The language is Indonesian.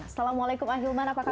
assalamualaikum ahilman apa kabar